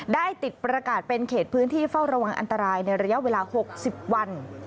ได้ติดประกาศเป็นเขตพื้นที่เฝ้าระวังอันตรายในระยะเวลา๖๐วัน